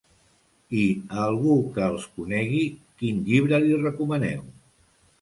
I a algú que els conegui, quin llibre li recomaneu?